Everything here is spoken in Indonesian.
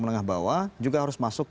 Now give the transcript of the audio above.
menengah bawah juga harus masuk